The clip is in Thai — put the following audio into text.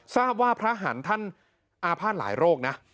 ทราบว่าพระหันท่านอาภาษณ์หลายโรคนะ